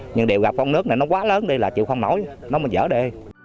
nhưng điều gặp con nước này nó quá lớn đi là chịu không nổi nó mới dở đê